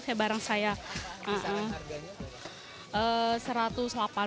misalnya harganya berapa